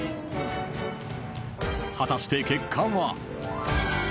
［果たして結果は］